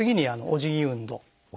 「おじぎ運動」。